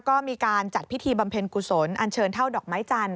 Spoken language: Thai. ก็มีการจัดพิธีบำเพ็ญกุศลอันเชิญเท่าดอกไม้จันท